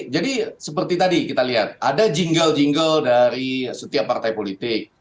jadi seperti tadi kita lihat ada jingle jingle dari setiap partai politik